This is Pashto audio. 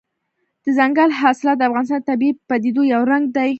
دځنګل حاصلات د افغانستان د طبیعي پدیدو یو رنګ دی.